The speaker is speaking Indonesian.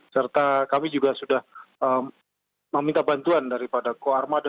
serta kami juga sudah meminta bantuan daripada koarma dan dwi